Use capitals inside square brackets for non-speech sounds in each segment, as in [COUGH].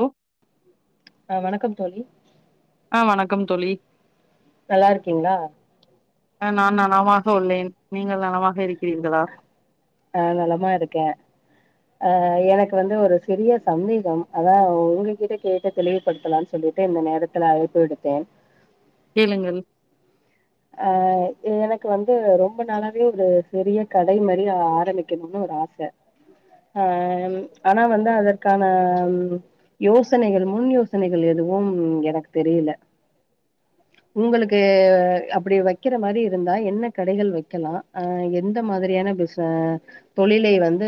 ம்ம் ஆஹ் வணக்கம் தோழி ஆ வணக்கம் தோழி நல்லா இருக்கீங்களா அ நான் நளமாக உள்ளேன் நீங்கள் நளமாக இருக்கிறீர்களா ஆ நலமா இருக்கேன் ஆஹ் எனக்கு வந்து ஒரு சிறிய சந்தேகம் அதான் உங்ககிட்ட கேட்டு தெளிவுபடுத்தலாம்னு சொல்லிட்டு இந்த நேரத்துல அழைப்பு விடுத்தேன் கேளுங்கள் அஹ் எனக்கு வந்து ரொம்ப நாளாவே ஒரு சிறிய கடை மாரி ஆரம்பிக்கணும்னு ஒரு ஆச ஆஹ் ஆனா வந்து அதற்கான யோசனைகள் முன் யோசனைகள் எதுவும் எனக்கு தெரியல உங்களுக்கு அப்படி வைக்கிற மாரி இருந்தா என்ன கடைகள் வைக்கலாம் எந்த மாதிரியான பிச த தொழில் லே வந்து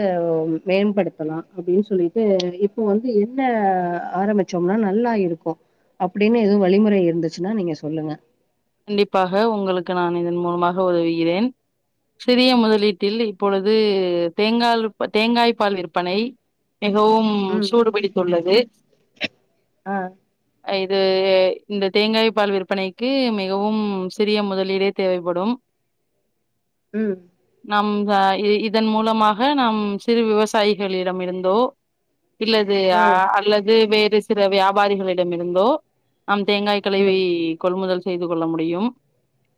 மேம்படுத்தலாம் அப்படின்னு சொல்லிட்டு இப்போ வந்து என்ன ஆரம்பிச்சோம்னா நல்லா இருக்கும் அப்படின்னு எதுவும் வழிமுறை இருந்துச்சுன்னா நீங்க சொல்லுங்க கண்டிப்பாக உங்களுக்கு நான் இதன் மூலமாக உதவுகிறேன் சிறிய முதலீட்டில் இப்பொழுது தேங்காய் தேங்காய்ப் பால் விற்பனை மிகவும் ம் சூடுபிடி துல்லது ஆஹ் இது இந்த தேங்காய் பால் விற்பனைக்கு மிகவும் சிறிய முதலீடே தேவைப்படும் ம் நம்ஹ இதன் மூலமாக நாம் சிறு விவசாயிகளிடமிருந்தோ இல்லது ம் அல்லது வேற று சிறு வியாபாரிகளிடம் இருந்தோ நம் தேங்காய்களை ம் கொள்முதல் செய்து கொள்ள முடியும்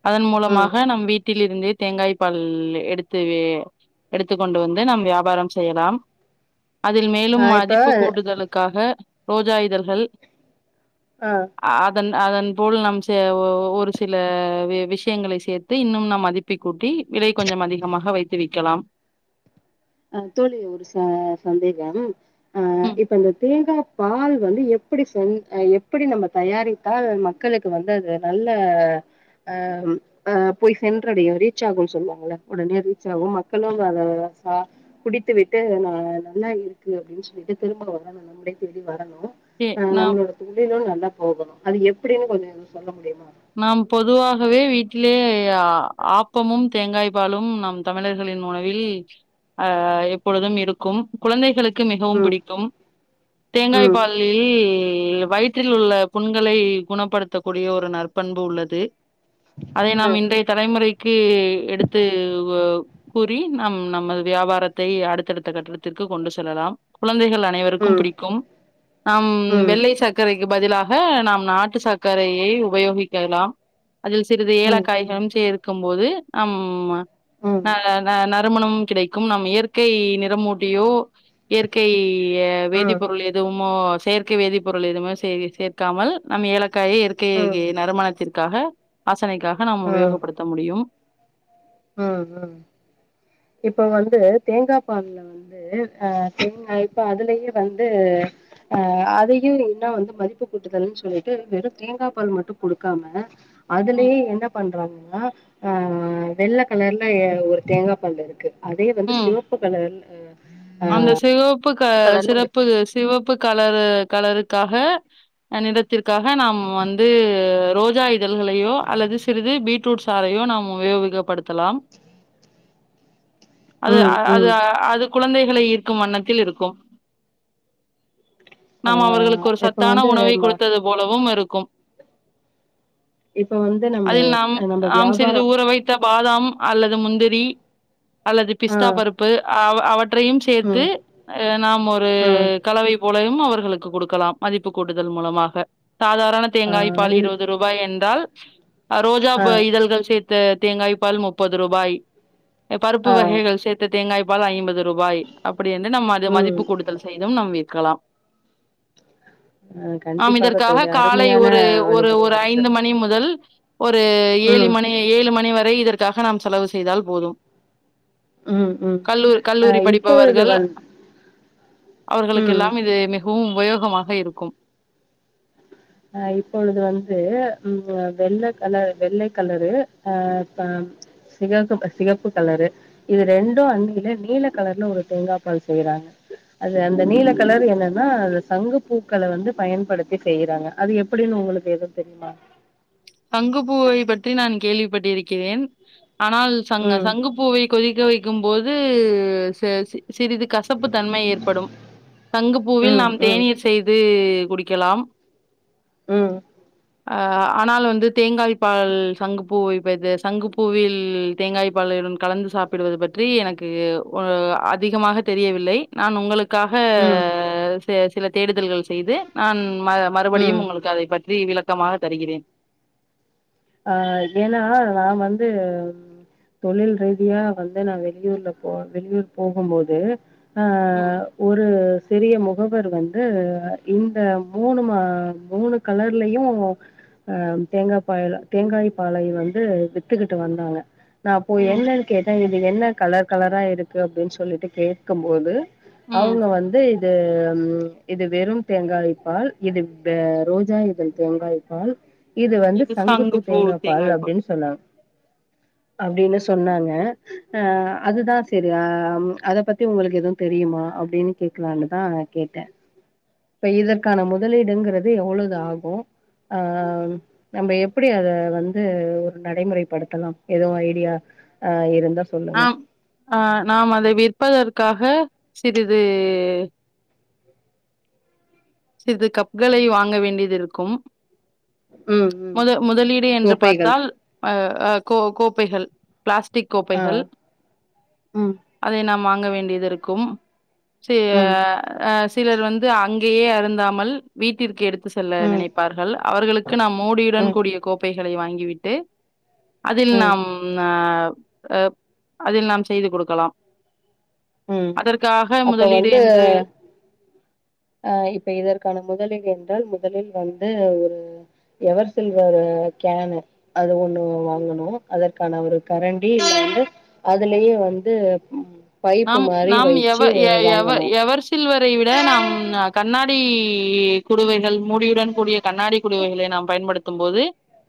அதன் ம் மூலமாக நம் வீட்டில் இருந்து தேங்காய் பால் எடுத்து எடுத்துக் கொண்டு வந்து நம் வியாபாரம் செய்யலாம் அதில் ஆ மேலும் இப்ப மதிப்பு கூடுதலுக்காக ரோஜாயிதழ்கள் ஆ அதன் அதன் போல் நம் ச ஒரு சில விஷயங்களை சேர்த்து இன்னும் நாம் மதிப்பிக்கூட்டி விலை கொஞ்சம் அதிகமாக வைத்து விக்கலாம் அஹ் தோழி ஒரு சந்தேகம் ஆஹ் ம் இப்ப இந்த தேங்கா பால் வந்து எப்படி செஹ எப்படி நம்ம தயாரித்தால் மக்களுக்கு வந்து அது நல்ல அம் அ போய் சென்றடையும் ரீச் ஆகும்னு சொல்லுவாங்கள உடனே ரீச் ஆகும் மக்களும் அத ஆஹ் குடித்து விட்டு ந நல்லா இருக்கு அப்டின்னு சொல்லிட்டு திரும்ப வரணும் நம்முட தேடி வரணும் எ ஆஹ் நாம் நம்மளோட தொழிலும் நல்ல லா போகணும் அது எப்படின்னு கொஞ்சம் சொல்ல முடியும் நாம் பொதுவாகவே வீட் லே ஆ ஆப்பமும் தேங்காய்ப் பாலும் நம் தமிழர்களின் உணவில் அஹ எப்பொழுதும் இருக்கும். குழந்தைகளுக்கு க்கு மிகவும் ம் பிடிக்கும் தேங்காய ம் பாலில் ல் வயிற்றில் உள்ள புண்களை குணப்படுத்தக்கூடிய ஒரு நற்ப் பண்பு உள்ளது. அதை நாம் ம் இன்றைய தலைமுறைக் க்கு எடுத்து கூறி நம் நமது வியாபாரத்தை அடுத்தடுத்த கட்டடத்திற்கு கொண்டு செல்லலாம் குழந்தைகள் ல் அனைவருக்கும் ம் பிடிக்கும். நாம் ம் வெள்ளை சர்க்கரை க் பதிலாக நாம் நாட்டு சர்க்கரையை உபயோகிக் கேலாம். அதில் சிறிது ம் ம் ம் ஏலக்காய்களும் சேர்கக்கும் போது ஆம்மா. ம் ஆஹ் ந நான் திருமணம் கிடைக்கும். நம்ம இயற்கை நிறமூட்டியோ இயற்கை ய வேதிப்ப பொருள் எதுமோ ச செயர்கற்கை வேதிப்ப பொருள் எதுவு சேர் சேர்க்காமல் நம்ம ஏல கை இரு ம் இருக்கக க்காக அச பிரனைக்காக நாம உபயோகப்படுத்த முடியும். உஹம் உஹம் இப்ப வந்து தேங்காய் பால்ல வந்து அஹ்ங்க இப்ப அதுலயே வந்து அஹ் அதையும் என்ன வந்து மதிப்பு கூட்டுதல்ன்னு சொல்லிட்டு வெறும் தேங்காய் பால் மட்டும் கொடுக்காம ம் அதுலயே என்ன பண்றாங்க. ஆஹ ஆஹ் வெள்ள கலர்ல ஒரு தேங்காய் பல் இருக்கு. அதைய வந்து ம் சிவப்பு கலர்ல ஆ அந்த சிவப்பு ஒரு சிறப்பு சிவப்பு கலரு கலருக்காக நிலத்திற்காக நாம் வந்து ரோஜா இதழ்களையோ அல்லது சிறிது பீட்ரூட் சாரையோ நாம் உபயோகப்படுத்தலாம். அது ம் அது ம் அது குழந்தை ளை ஈர்க்கும் வண்ணத்தில் இருக்கும். நாம் அவர்களுக்கு ஆஹ் ஒரு இப்ப சத்தான வந்து உணவை ம- கொடுத்தது போலவும் இருக்கு க இப்ப வந்து நம்ம நம்ம நாம் சிறிது வியாபாரம் ஊற வைத்த பாதாம் அல்லது முந்திரி அல்லது பிஸ்தா ஆஹ் பருப்பு அவ ட்ரைன் சேத்து ம் நாம ஒரு ம் கலவை போ ரம்ம அவர்களுக்கு குடுக்கலாம் மதிப்பு கூட்டுதல் மூலமாக சாதாரண தேங்காய ஆஹ் பால் இல் இருவது ரூபாய் என்றால் ஆ ரோஜாப்பூ ஆஹ் இதழ்கள் சேத்து தேங்காய் பால் முப்பது ரூபாய் பருப்பு ஆஹ் வகைகள் சேத்து தேங்காய் வலை ஐம்பது ரூபாய் அப்பிடி என்னென்ன மாரி ம் மதிப்பு கூடுதல் செய்தும் நம் விக்கலாம் ஆஹ் ஆம் கண்டிப்பாக இதற்காக தோழி காலை அருமையான ஒரு ஒரு வழிமுறையா ஒரு இருக்கு ஐந்து மணி முதல் ஒரு ஏழி ம் மணி ஏழு மணி வரை இத இதுக்காக நாம் செலவு செய்தால் போதும் ம் ம் கல்லூ கல்லூரி அஹ் இப்பொழுது படிப்பவர்கள் வந் ம் அவர்களுக்கெல்லாம் இது மிக மிகவும் உபயோகமாக இருக்கும் ஆ இப்பொழுது வந்து ம் வெள்ள கலர் வெள்ளை கலரு அ சிகப்பு க சிகப்பு கலரு இது ரெண்டும் வந்து நீல கலர்ல ஒரு தேங்கா பால் செய்யறாங்க அது அந்த நீல கலரு என்னன்னா அது சங்கு பூக்கள வந்து பயன்படுத்தி செய்யறாங்க அது எப்பிடின்னு உங்களுக்கு எதும் தெரியுமா சங்கு பூவை பற்றி நான் கேள்விப்பட்டிருக்கிறேன் ஆனால் சங்க ம் சங்குப்பூவை கொதிக்க வை இருக்கும்போது சே சி சிறிது கசப்பு தன்மை ஏற்படும் சங்கு பூவில் ம் நாம் ம் தேநீர் செய்து குடிக்கலாம் ம் ஆ ஆனால் வந்து இது தேங்காய்ப்பால் சங்கு பூ சங்கு பூவில் தேங்காய் பாலின் கலந்து சாப்பிடுவது பற்றி எனக்கு அதிகமாக தெரியவில்லை நான் உங்களுக்கு க்காக ம் செரி சிலர் தேடு தல்கள் செய்து நான் ம் மறுபடியும் உங்களுக்கு அதைப் பற்றி வி விளக்கமாக தருகிறேன் ஆ ஏன்னா நா வந்து தொழில் ரீதியா வந்து நான் வெளியூர்ல போ வெளியூர் போகும்போது ஆ ம், ஒரு பெரிய முகவர் வந்து இந்த மூணு மா மூணு கலர்லயும் அ தேங்கா பால் தேங்காய் பாலை வந்து வித்துக்கிட்டு வந்தாங்க நா போய் ம், ம். என்னன் கேட்டே இ இது என்ன கலர் கலரா இருக்கு அப்டின் சொல்லிட்டு கேக்கும் போது ம். அவுங்க வந்து இ து ம் இது வெறும் தேங்காயிப்பால் இது த ரோஜா இதழ் தேங்காய்பால் இது வந்து சங்குப் தேங்கா பால் அப்டின் சொன்னாங் அப்டினு சொன்னாங்க அ அதுதா செரியா ம் அத பத்தி உங்களுக்கு எதும் தெரியுமா அப்டின் கேக்லானுதா கேட்டே இப்ப இதற்கான முதலீடுங்குறது எவ்ளோது ஆகு ஆ நம்ப எப் ப்புடி அத வந்து ஒரு நடைமுறைப்படுத்தலா எதுவு ஐடியா ஆ இருந்தா சொல்லுங்க ஆம் ஆ நாம் அதை விற்பதற்க் க்காக சிறிது சிறிது கப்களை வாங்க வேண்டியதிருக்கும் ம் ம் மொத மொதலீடு என்று கோப்பைகள் பார்த்தால் அ அ கோ கோ ப்பைகள் பிளாஸ்டிக் ஆ கோப்பைகள் ம் அதை நாம் வா ங்க வேண்டியதுருக்கும் செ ம் ஆ அ சிலர் வந்து அங்கெயே அரு ந்தாமல் வீட்டிற்கு எடுத் து செல்ல ம் நினைப்பார்கள் அவர்களுக்கு நாம் மூடியுடன் ம் கூடிய கோப்பை களை வாங்கி விட்டு அதில் ம் நாம் ஆ அ அதில் நாம் செய்து கொடுக்கலாம் ம் அதற்காக முதலீடு என்று ஆ இப்ப இதற்கான முதலீடு என்றால் முதலில் வந்து ஒரு எவர் சில்வரு கேனு அது ஒண்ணு வாங்கணு அதற்கான ஒரு கரண்டி வந்து அதுலயே வந்து பைப்பு நாம் மாரி நாம் எவ வச்சு எ எவ வாங்கணு எவர் சில்வர் ரைவிட நாம் அ கண்ணாடி குடுவைகள் மூடியுடன் கூடிய கண்ணாடி குடுவைகளை நாம் பயன்படுத்தும் போது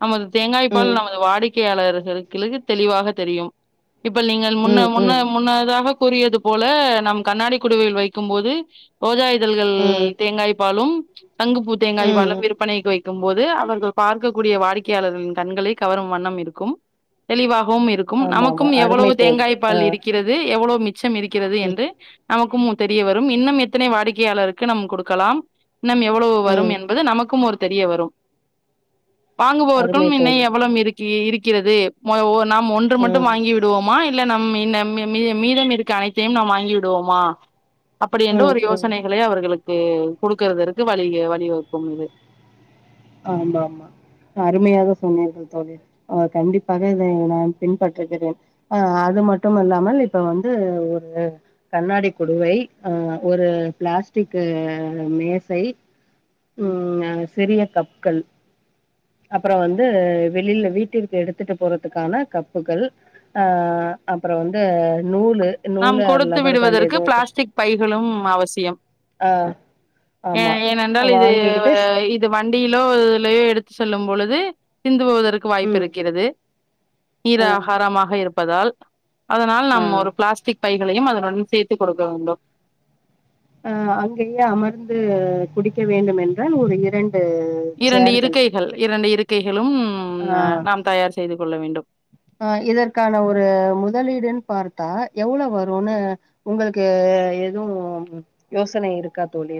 நமது ம் தேங்காய்ப்பால் நமது வாடிக்கையாளர்கள் கிளுகுத் தெளிவாக தெரியும் இப்பள் நீங்கள் முன்ன ம் முன்ன ம் முன்னதாக கூறியது போல நம் கண்ணாடி குடுவையில் வைக்கும் போது ரோஜா இ தல்கள் ம் தேங்காய் பாலும் சங்கு பூ தேங்காய் பாலும் ம் விற்பனைகு வை ருக்கும் போது அவர்கள் பார்க்கக்கூடிய வாடிக்கையாளர்களின் கண்களை கவரும் வண்ணம் இருக்கும் தெளிவா கவும் இருக்கும் ஆமா ஆமா நமக்கும் அருமை எவ்வளவு தோழி தேங்காய் ஆ பால் இருக்கிறது எவ்வளவு மிச் ச்சம் இருக்கிறது ம் என்று நமக்கும் தெரிய வரும் இன்னும் எத்தனை வாடிக்கையாளருக்கு நாம் கொடுக்கலாம் இன்னம் எவ்வளவு வரும் ம் என்பது நமக்கும் ஒரு தெரிய வரு வாங்கபவருக்கும் அருமை இன்னை தோழி எவ்ளோம் இருக்கு இ இருக்கிறது ம ஒ நாம் ஒன்று மட்டும் ம் வாங்கி விடுவோமா இல் ல்ல நம்மி -நம்மி மீதம் இருக் க அனைத்தையும் நாம் வாங்கிடுவோமா அப்படி என்ற ம் ஒரு ம் யோசனைகளே அவர்களுக் கு குடுக்குறதற்க்கு வழி வழி வகுக்கும் இது ஆமா மா அருமையாக சொன்னீர்கள் தோழி ஆ கண்டிப்பாக இதை நான் பின்பற்றுகிறேன் அஹ் அது மட்டும் அல்லாமல் இப்ப வந்து ஒரு கண்ணாடிக் குடுவை அ ஒரு பிளாஸ்டிகு மேசை ம் அது செரிய கள் அப்பறொ வந்து வெளில வீட்டிற்கு எடுத்துட்டு போறதுக்கான கப்புகள் அ அப்பறம் வந்து நூலு, நாம் நூலு கொடுத்து லப்பர் பேண்ட் விடுவதற்கு ஏதோ த பிளாஸ்டிக் பைகளும் அவசியம் ஆ ஏ ஆமா. ஏனென்றால் இது வாங்கிக்கிட்டு இது வ வண்டியிலோ லேயோ எடுத்து செல்லும்பொழுது சிந்து போவதற்க ருக்கு வாய்ப்பு ம். இருக்கிறது. ஆ நீரா ஆஹாரமாக இருப்ப பதால் அதனால் ஆ நம்ம ஒரு பைகளையும் அதனுடன் சேர்த்துக் கொடுக்க வேண்டும் அஹ் அங்கயே அமர்ந்து குடிக்க வேண்டுமென்றால் ஒரு இரண் இரண்டு இருக்கைகள் இரண்டு இருக்கைகளும் அ நாம் தயார் செய்து கொள்ள வேண்டும் ஆஹ் இதற்கான ஒரு முதலீடுன் பார்த்தா எவ்ளோ வருனு உங்களுக்கு எதுவும் யோசனை இருக்கா தோழி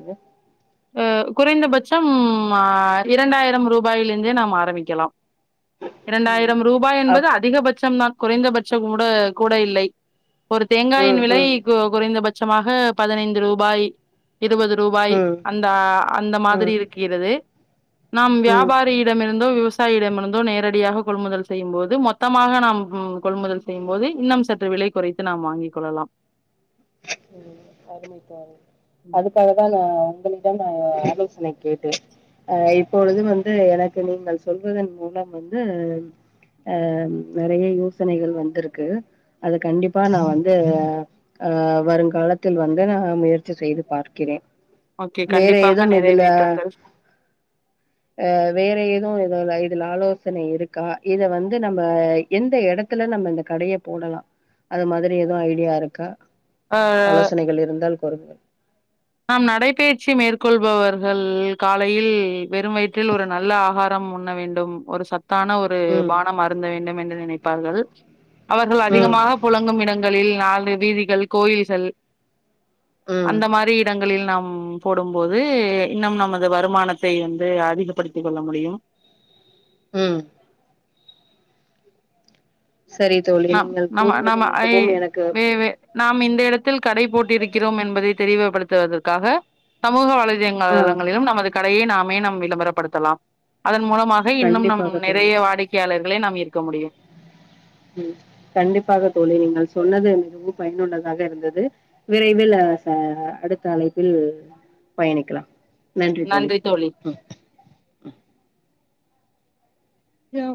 அஹ் குறைந்தபட்சம் அ இரண்டாயிரம் ரூபாயில ருந்தே நாம் ஆரம்பிக்கலாம். ம். இரண்டாயிரம் ரூபாய் என்பது அப் அதிகபட்சம் தான் குறைந்தபட்சம் கூட கூட இல்லை ஒரு தேங்காயின் ம், விலை ம், கு குறைந்தபட் சமாக பதினைந்து ரூபாய் இருபது ரூபாய் ம், அந்த அந்த மாதிரி ம், இருக்கிறது நாம் ம். வியாபாரியிடமிருந்தோ விவச விவாசாயிடம்இருந்தோ நேரடியாக கொள்முதல் செய்யும்போது மொத்தமாக நாம் கொள்முதல் செய்யும் போது இன்னும் சற்று விலை குறைத்து நாம் வாங்கிக் கொள்ளலாம் அதுக்காகத்தானே உங்களிடம் ஆலோசனை கேட்டேன் அஹ இப்பொழுது வந்து எனக்கு நீங்கள் சொல்வதன் மூலம் வந்து அஹ நெறைய யோசனைகள் வந்திருக்கு அது கண்டிப்பா நான் வந்து ஆஹ் வருங்காலத்தில் வந்து நான் முயற்சி செய்து பார்க்கிறேன் ஓகே வேற கண்டிப்பாக ஏதுவும் இதுல நிறைவேற்றுங்கள் அஹ் வேற ஏதுவும் இதுல இதுல ஆலோ ஆலோசனை இருக்கா இத வந்து நம்ம எந்த இடத்துல நம்ம இந்த கடைய போடலாம் அது மாதிரி எதுவும் ஐடியா இருக்கா அ ஆலோசனைகள் இருந்தால் போவே [UNINTELLIGIBLE] நாம் நடைபயிற்சி மேற்கொள்பவர்கள் காலையில் வெறும் வயிற்றில் ஒரு நல்ல ஆகாரம் உண்ண வேண்டும் ஒரு சத் கான ஒரு ம் பானம் அருந்த வேண்டும் என்று நினண பார்கள் அவர்கள் ம் அதிகமாக புழங்கும் இடங்களில் நான்கு வீதிகள் கோயில்கள் ம் அந்த மாரி ங்களில் நாம் போடும்போது நம் நமது வருமானத்தை வந்து அதிகப்படுத்திக் கொள்ள முடியும் உம் செரி தோழி நம் நீங்கள் நம்ம கூறியது நம்ம ஐ மிகவும் எனக்கு வே வே நாம் இந்த இடத்தில் கடை போட்டிருக்கிறோம் என்பதை தெரிவுப்படுத்துவதற்காக சமூக வளை ஆ தளங்களிலும் நமது கடையே நாமே நம் விளம்பரப்படுத்தலாம் அதன் மூலமாக இன்னும் நம் கண்டிப்பாக தோழி நெறைய வாடிக்கையாளர்கள் லே நாம் இருக்க முடியும் உம் கண்டிப்பாக தோழி நீங்கள் சொன்னது மிகவும் பயனுள்ளதாக இருந்தது விரைவில் அ ச அடுத்த அழைப்பில் பயணிக்கலாம் நன்றி தோழி ம் யா